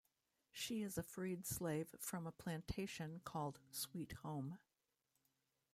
She is a freed slave from a plantation called Sweet Home.